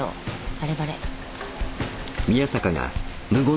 バレバレ。